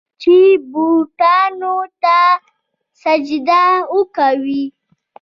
چې بوتانو ته سجدې کوي.